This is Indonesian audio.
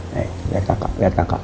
dek liat kakak liat kakak